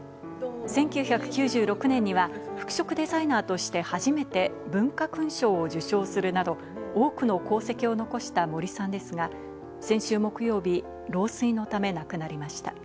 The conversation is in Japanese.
１９９６年には服飾デザイナーとして初めて文化勲章を受章するなど、多くの功績を残した森さんですが、先週木曜日、老衰のため亡くなりました。